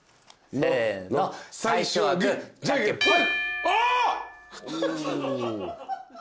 せの最初はグーじゃんけんぽん。